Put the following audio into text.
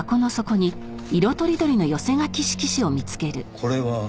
これは？